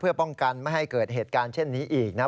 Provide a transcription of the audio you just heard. เพื่อป้องกันไม่ให้เกิดเหตุการณ์เช่นนี้อีกนะครับ